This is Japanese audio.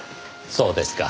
そうですか。